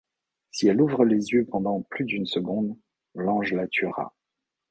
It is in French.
Si elle ouvre les yeux pendant plus d'une seconde, l'Ange la tuera.